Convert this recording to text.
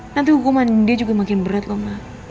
nanti hukuman dia juga makin berat kok